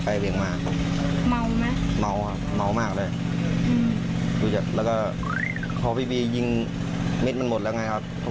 แล้วก็พอพี่บียิงเม็ดมันหมดแล้วไงครับ